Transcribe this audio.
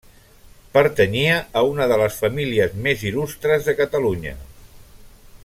Pertanyia a una de les famílies més il·lustres de Catalunya.